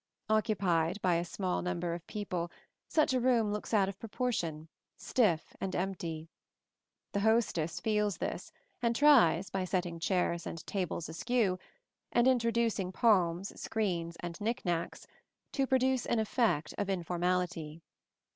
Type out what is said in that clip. Occupied by a small number of people, such a room looks out of proportion, stiff and empty. The hostess feels this, and tries, by setting chairs and tables askew, and introducing palms, screens and knick knacks, to produce an effect of informality.